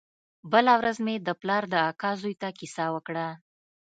بله ورځ مې د پلار د اکا زوى ته کيسه وکړه.